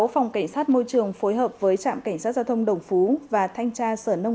phòng cảnh sát môi trường phối hợp với trạm cảnh sát giao thông đồng phú và thanh tra sở nông